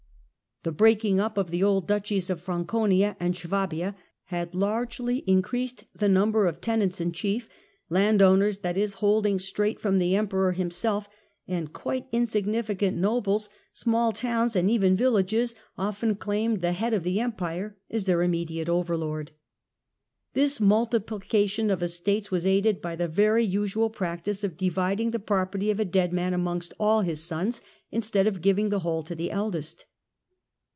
The breaking up of the old Duchies of Franconia and Swabia had largely increased the number of tenants in chief, landowners that is, holding straight from the Emperor himself ; and quite insignificant nobles, small towns and even villages often claimed the head of the Empire as their immediate overlord. This multiplica tion of estates was aided by the very usual practice of dividing the property of a dead man amongst all his sons, instead of giving the whole to the eldest.